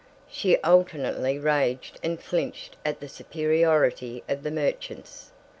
She alternately raged and flinched at the superiority of the merchants.